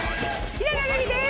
平野レミです。